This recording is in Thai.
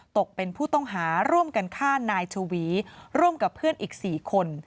ตกเป็นผู้ต้องหาร่วมกันฆ่านายชวีร่วมกับเพื่อนอีก๔คน